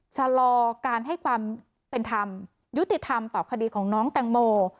ชะลอการให้ความเป็นธรรมยุติธรรมต่อคดีของน้องแตงโม